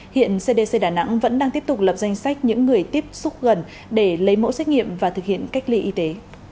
hiện cdc đà nẵng vẫn đang tiếp tục lập danh sách những người tiếp xúc gần để lấy mẫu xét nghiệm và thực hiện cách ly y tế